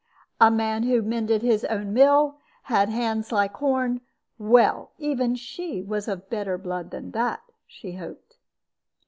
A man who mended his own mill, and had hands like horn well, even she was of better blood than that, she hoped.